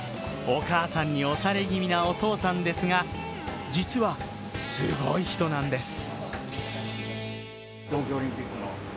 お母さんに押され気味なお父さんですが、実はすごい人なんです。